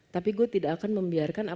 tapi gue tidak akan membiarkan